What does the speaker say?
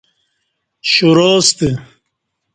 شُراستہ